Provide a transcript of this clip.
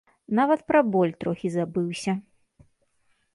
Нават пра боль трохі забыўся.